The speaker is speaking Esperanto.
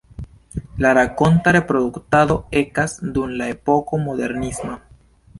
La rakonta produktado ekas dum la epoko modernisma.